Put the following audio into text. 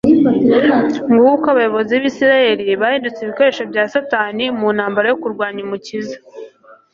Nguko uko abayobozi b'Isiraeli bahindutse ibikoresho bya Satani mu ntambara yo kurwanya Umukiza.